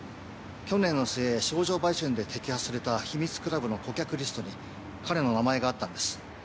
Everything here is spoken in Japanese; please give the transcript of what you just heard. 去年の末少女売春で摘発された秘密クラブの顧客リストに彼の名前があったんです。